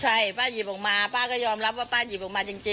ใช่ป้าหยิบออกมาป้าก็ยอมรับว่าป้าหยิบออกมาจริง